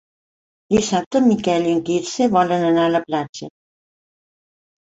Dissabte en Miquel i en Quirze volen anar a la platja.